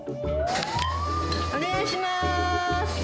お願いします。